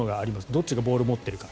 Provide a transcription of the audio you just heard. どっちがボールを持ってるか。